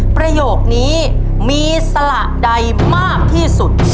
ประโยคนี้มีสละใดมากที่สุด